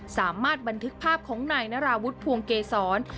สามารถบันทึกภาพของนายนราวุฒิภวงเกษร